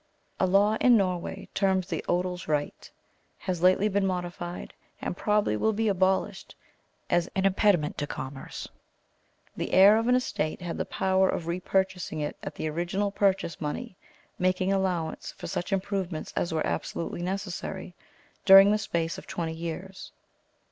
A law in Norway, termed the odels right, has lately been modified, and probably will be abolished as an impediment to commerce. The heir of an estate had the power of re purchasing it at the original purchase money, making allowance for such improvements as were absolutely necessary, during the space of twenty years.